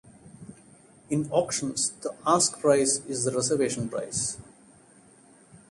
In auctions the ask price is the reservation price.